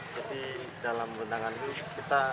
jadi dalam bentangan itu kita